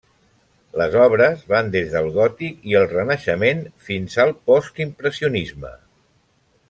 Les obres van des del gòtic i el renaixement fins al postimpressionisme.